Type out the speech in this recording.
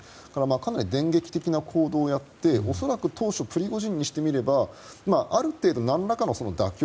かなり電撃的な行動をやって恐らく、当初プリゴジンにしてみればある程度、何らかの妥協